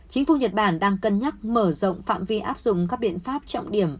thủ tướng nhật bản đang cân nhắc mở rộng phạm vi áp dụng các biện pháp trọng điểm